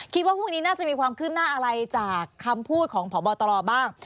คิดว่าพรุ่งนี้น่าจะมีความคืบหน้าอะไรจากคำพูดของพบตรบ้าง